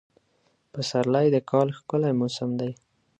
پسرلی د کال ښکلی موسم دی.